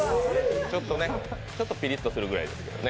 ちょっとピリッとするぐらいですけどね。